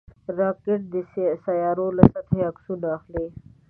راکټ د سیارویو له سطحې عکسونه اخلي